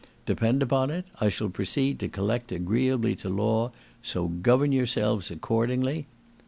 Depend upon it, I shall proceed to collect agreeably to law, so govern yourselves accordingly.